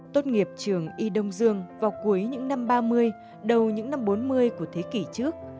tốt nghiệp trường y đông dương vào cuối những năm ba mươi đầu những năm bốn mươi của thế kỷ trước